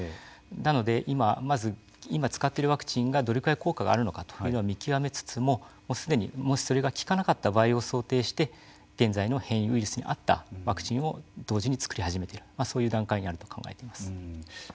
なので今、まず今、使っているワクチンがどれくらい効果があるのかというところを見極めつつももし、それが効かなかった場合を想定して現在の変異ウイルスに合ったワクチンを同時に作り始めているそういう段階にあると考えています。